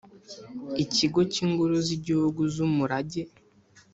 Ikigo cy Ingoro z Igihugu z Umurage